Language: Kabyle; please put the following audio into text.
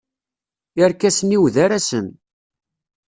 Irkasen-iw d arasen.